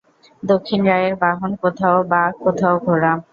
দক্ষিণ রায়ের বাহন কোথাও বাঘ, কোথাও ঘোড়া।